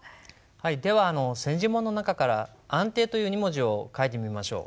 では千字文の中から「安定」という２文字を書いてみましょう。